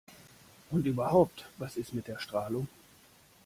Und überhaupt: Was ist mit der Strahlung?